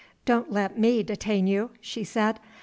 "Don't let me detain you," she said.